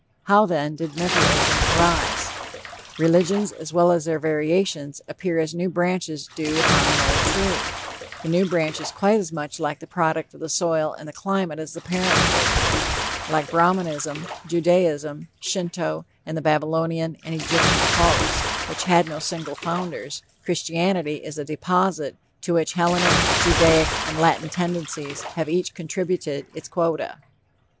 How, then, did Mithraism arise? Religions, as well as their variations, appear as new branches do upon an old tree. The new branch is quite as much the product of the soil and climate as the parent tree. Like Brahmanism, Judaism, Shinto and the Babylonian and Egyptian Cults, which had no single founders, Christianity is a deposit to which Hellenic, Judaic and Latin tendencies have each contributed its quota.